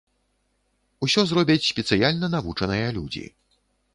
Усё зробяць спецыяльна навучаныя людзі.